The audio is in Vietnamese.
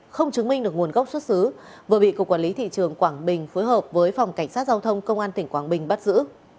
không chứng minh được nguồn gốc xuất xứ vừa bị cục quản lý thị trường quảng bình phối hợp với phòng cảnh sát giao thông công an tỉnh quảng bình bắt giữ